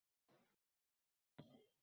Ertasi kuni yigit va yaqinlari kelibdilar